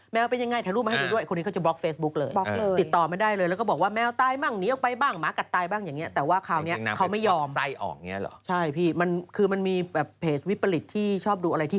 แมวเป็นยังไงให้รูปมาให้ดูด้วยคนนี้เขาก็จะบล็อกเฟสุ๊คเลย